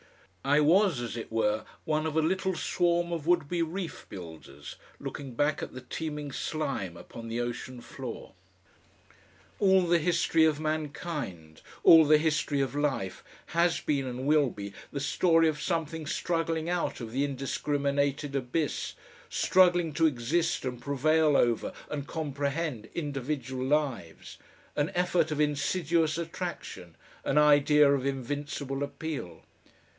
I was as it were one of a little swarm of would be reef builders looking back at the teeming slime upon the ocean floor. All the history of mankind, all the history of life, has been and will be the story of something struggling out of the indiscriminated abyss, struggling to exist and prevail over and comprehend individual lives an effort of insidious attraction, an idea of invincible appeal.